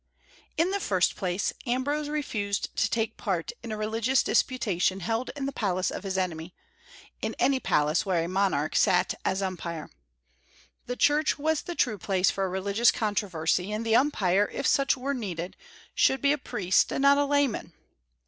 In the first place, Ambrose refused to take part in a religious disputation held in the palace of his enemy, in any palace where a monarch sat as umpire. The Church was the true place for a religious controversy, and the umpire, if such were needed, should be a priest and not a layman.